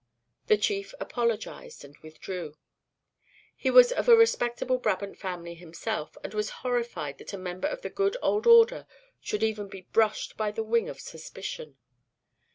The chief apologised and withdrew. He was of a respectable Brabant family himself, and was horrified that a member of the good old order should even be brushed by the wing of suspicion.